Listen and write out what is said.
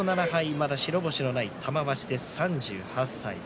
まだ白星のない玉鷲、３８歳。